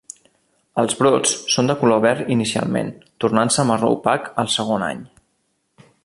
Els brots són de color verd inicialment, tornant-se marró opac al segon any.